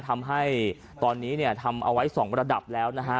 ทำให้ตอนนี้เนี่ยทำเอาไว้๒ระดับแล้วนะฮะ